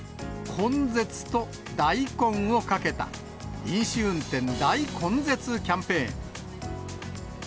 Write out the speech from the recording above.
根絶と大根をかけた、飲酒運転大根絶キャンペーン。